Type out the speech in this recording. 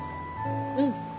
うん。